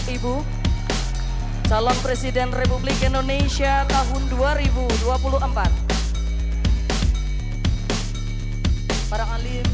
ibu calon presiden republik indonesia tahun dua ribu dua puluh empat